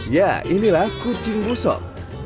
ya inilah kucing busok